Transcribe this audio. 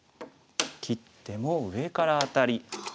切っても上からアタリ。